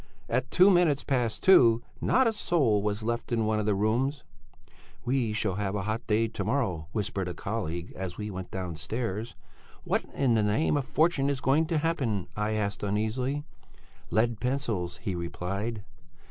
At two minutes past two not a soul was left in one of the rooms. "'We shall have a hot day to morrow,' whispered a colleague, as we went downstairs. 'What in the name of fortune is going to happen?' I asked uneasily. 'Lead pencils,' he replied.